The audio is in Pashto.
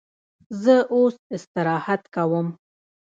زه اوس استراحت کوم.